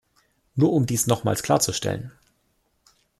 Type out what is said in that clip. Nur um dies nochmals klarzustellen.